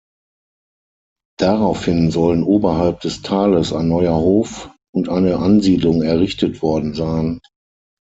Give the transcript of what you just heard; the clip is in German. Daraufhin sollen oberhalb des Tales ein neuer Hof und eine Ansiedlung errichtet worden sein.